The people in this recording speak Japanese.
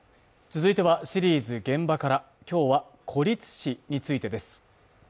続いてはシリーズ「現場から」、今日は孤立死についてです。